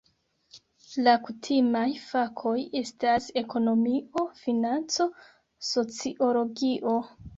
La kutimaj fakoj estas ekonomio, financo, sociologio.